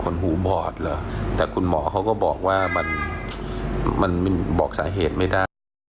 หูบอดเหรอแต่คุณหมอเขาก็บอกว่ามันมันบอกสาเหตุไม่ได้